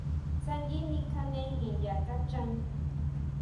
Tsangui nikjanejin ya kaxhan.